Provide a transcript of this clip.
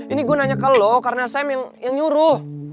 ini gue nanya ke lo karena sam yang nyuruh